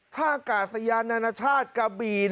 ถ้าอากาศยานานชาติกาบี